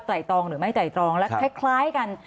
ตองหรือไม่ไตรตรองและคล้ายกัน